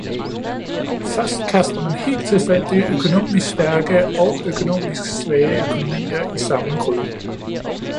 Først kaster man helt tilfældigt økonomisk stærke og økonomisk svage økonomier i samme gryde.